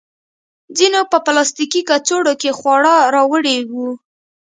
ځینو په پلاستیکي کڅوړو کې خواړه راوړي وو.